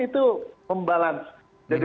itu membalans jadi